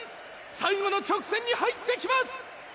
「最後の直線に入ってきます！」